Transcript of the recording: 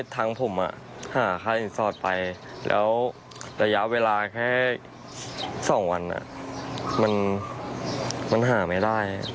ทางผมหาค่าสินสอดไปแล้วระยะเวลาแค่๒วันมันหาไม่ได้